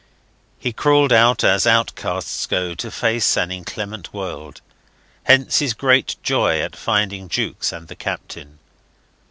He crawled out as outcasts go to face an inclement world. Hence his great joy at finding Jukes and the Captain.